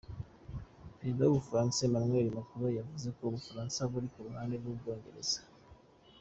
Perezida w'Ubufaransa Emmanuel Macron yavuze ko Ubufaransa buri ku ruhande rw'Ubwongereza.